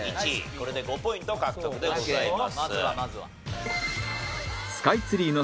これで５ポイント獲得でございます。